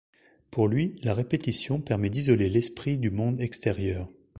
Pour lui, la répétition permet d'isoler l'esprit du monde extérieur.